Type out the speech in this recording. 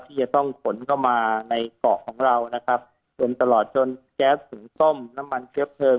ที่จะต้องขนเข้ามาในเกาะของเรานะครับจนตลอดจนแก๊สหุงต้มน้ำมันเชื้อเพลิง